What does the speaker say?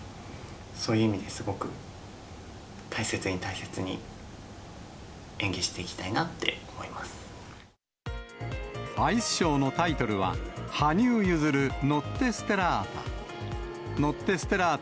そういう意味で、すごく大切に大切に、アイスショーのタイトルは、羽生結弦ノッテ・ステラータ。